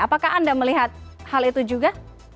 apakah anda melihat hal itu juga